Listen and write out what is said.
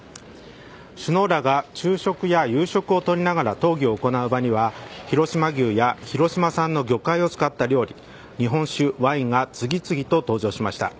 首脳らが昼食や夕食をとりながら討議を行う場には広島牛や広島産の魚介を使った料理日本酒、ワインが次々と登場しました。